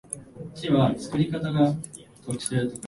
最新の冷蔵庫に替えて省エネで電気代節約